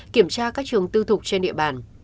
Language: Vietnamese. kiểm tra các trường tư thục trên địa bàn